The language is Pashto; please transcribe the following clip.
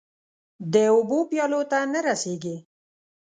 د اوبو پیالو ته نه رسيږې